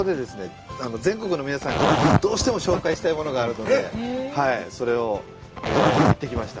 全国の皆さんにどうしても紹介したいものがあるので、それを行ってきました。